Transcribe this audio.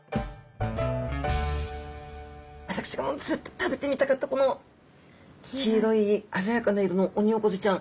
私がずっと食べてみたかったこの黄色い鮮やかな色のオニオコゼちゃん。